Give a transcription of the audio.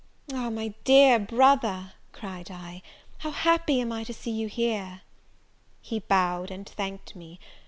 "Ah, my dear brother," cried I, "how happy am I to see you here!" He bowed, and thanked me.